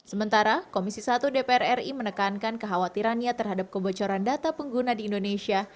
sementara komisi satu dpr ri menekankan kekhawatirannya terhadap kebocoran data pengguna di indonesia